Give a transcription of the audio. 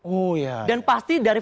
oh iya dan pasti dari